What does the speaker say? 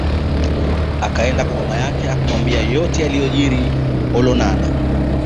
Akaenda kwa mama yake akamwambia yote yaliyojili Olonana